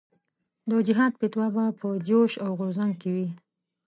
د جهاد فتوا به په جوش او غورځنګ کې وي.